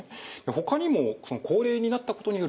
ほかにも高齢になったことによるリスク